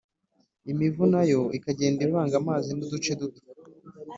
, imivu nayo ikagenda ivanga amazi n’uduce duto